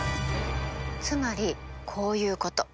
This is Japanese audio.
つまりこういうこと。